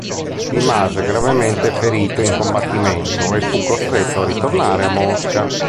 Rimase gravemente ferito in combattimento e fu costretto a ritornare a Mosca.